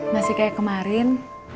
masih kayak kemarin